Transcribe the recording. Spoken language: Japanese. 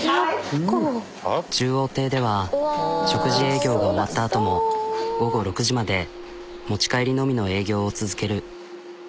中央亭では食事営業が終わったあとも午後６時まで持ち帰りのみの営業を続ける。